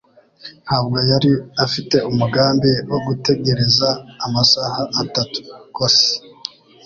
Ntabwo yari afite umugambi wo gutegereza amasaha atatu. (koosy)